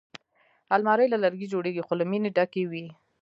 الماري له لرګي جوړېږي خو له مینې ډکې وي